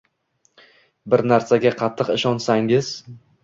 Bir narsaga qattiq ishonsangiz